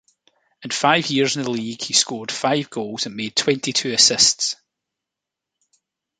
In five years in the league, he scored five goals and made twenty-two assists.